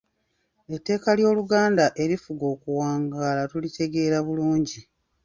Etteeka ly’Oluganda erifuga okuwangaala tulitegeera bulungi.